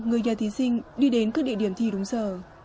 người nhà thí sinh đi đến các địa điểm thi đúng giờ